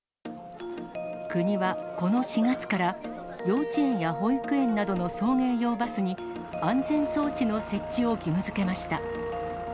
国はこの４月から幼稚園や保育園などの送迎用バスに、安全装置の設置を義務づけました。